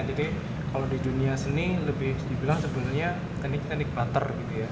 jadi kalau di dunia seni lebih dibilang sebenarnya teknik teknik water